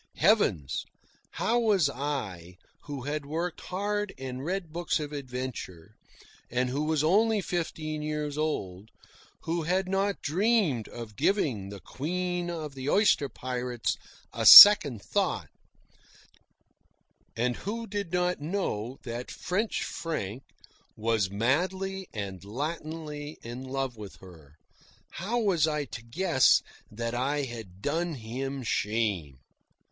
Heavens! How was I, who had worked hard and read books of adventure, and who was only fifteen years old, who had not dreamed of giving the Queen of the Oyster Pirates a second thought, and who did not know that French Frank was madly and Latinly in love with her how was I to guess that I had done him shame?